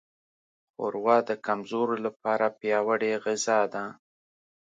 ښوروا د کمزورو لپاره پیاوړې غذا ده.